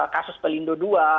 kasus pelindung dua